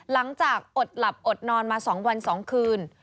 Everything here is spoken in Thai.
หลังจากอดหลับอดนอนมา๒วัน๒คืน